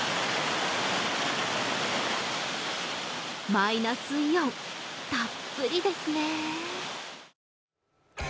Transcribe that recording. マイナスイオン、たっぷりですね